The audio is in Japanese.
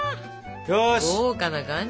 豪華な感じ！